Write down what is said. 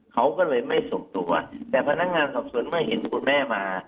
เขาก็เลยไม่ส่งตัวแต่พนักงานสอบสวนเมื่อเห็นคุณแม่มา